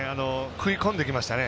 食い込んできましたね。